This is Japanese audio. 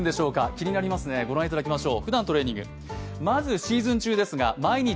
気になりますね、ご覧いただきましょう。